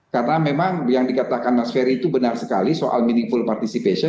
karena memang yang dikatakan mas fery itu benar sekali soal meaningful participation